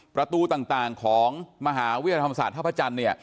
ประตูต่างของมหาวิทยาลัยธรรมศาสตร์ท่าพระจันทร์เนี่ย